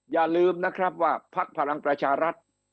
อย่าลืมนะครับว่าพักพลังประชารัฐ